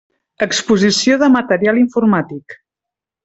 Exposició de material informàtic.